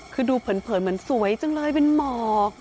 คือดูเผินเหมือนสวยจังเลยเป็นหมอก